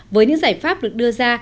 với những giải pháp được đưa ra